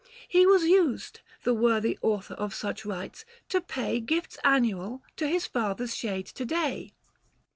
He was used, The worthy author of such rites, to pay 580 Gifts annual to his father's shade to day.